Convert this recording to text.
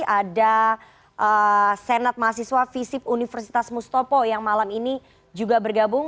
ada senat mahasiswa visip universitas mustopo yang malam ini juga bergabung